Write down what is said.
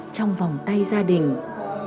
trong vòng tay gia đình hàng xóm láng giềng